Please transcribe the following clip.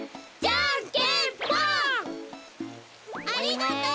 ありがとう！